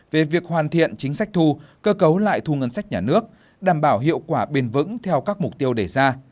về việc hoàn thiện chính sách thu cơ cấu lại thu ngân sách nhà nước đảm bảo hiệu quả bền vững theo các mục tiêu đề ra